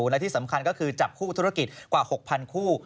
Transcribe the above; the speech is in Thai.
และที่สำคัญก็คือจับคู่ธุรกิจกว่า๖๐๐คู่